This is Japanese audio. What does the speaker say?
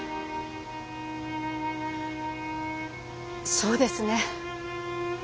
そうですね。